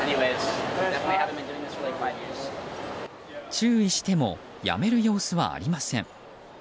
注意してもやめる様子はありません。